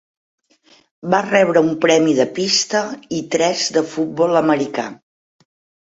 Va rebre un premi de pista i tres de futbol americà.